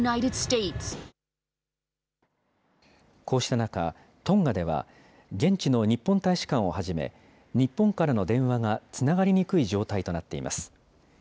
こうした中、トンガでは、現地の日本大使館をはじめ、日本からの電話がつながりにくい状態となっています。